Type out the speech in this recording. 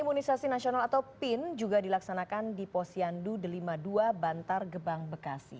imunisasi nasional atau pin juga dilaksanakan di posyandu delima ii bantar gebang bekasi